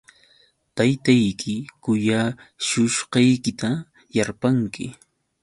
Taytayki kuyashushqaykita yarpanki.